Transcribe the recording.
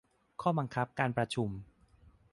ข้อบังคับการประชุม